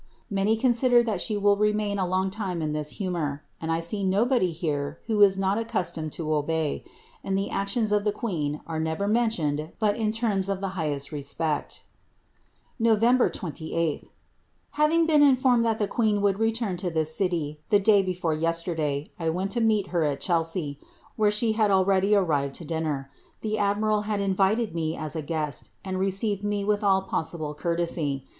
Ifaoy consider that she will remain a long time in this humour ; and I lee nobody here who is not accustomed to obey ; and the actions of the |aeen are never mentioned but in terms of the highest respect ^ Nov. 28. — Having been informed that the queen would return to his city the day before yesterday, I went to meet her at Chelsea, where ihe had already arrived to dinner. The admiral had invited me as a ^est, and received me with all possible courtesy.